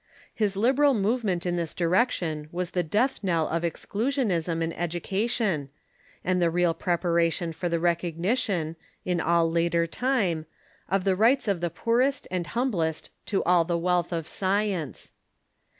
His liberal movement in this direction was the death knell of ex clusionism in education, and the real preparation for the recog nition, in all later time, of the rights of the poorest and hum blest to all the wealth of science.